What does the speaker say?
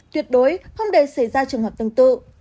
tuyệt đối không để xảy ra trường hợp tương tự